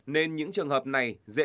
nên những trường hợp này dễ dàng